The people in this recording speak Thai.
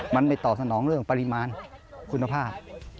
มันไปตอบสนองเรื่องปริมาณคุณภาพ